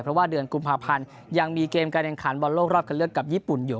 เพราะว่าเดือนกุมภาพันธ์ยังมีเกมการแข่งขันบอลโลกรอบคันเลือกกับญี่ปุ่นอยู่